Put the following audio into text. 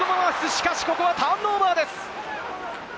しかしここはターンオーバーです。